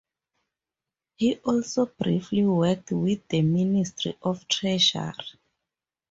He also briefly worked with the Ministry of Treasury.